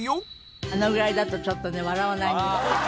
あのぐらいだとちょっとね笑わないんです。